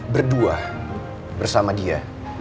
berdua bersama dia